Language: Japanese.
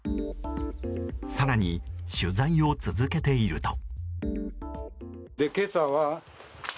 更に、取材を続けていると。